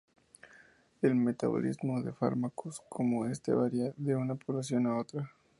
El metabolismo de fármacos como este varia de una población a otra.